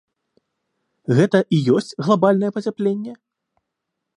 Гэта і ёсць глабальнае пацяпленне?